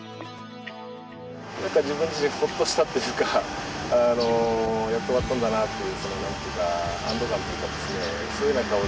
何か自分自身ホッとしたっていうかやっと終わったんだなっていう何て言うか安堵感というかですねそういうな顔で吹っ切れましたですね。